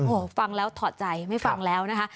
โอ้โหฟังแล้วถอดใจไม่ฟังแล้วนะคะ